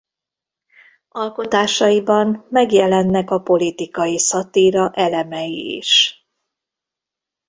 Alkotásaiban megjelennek a politikai szatíra elemei is.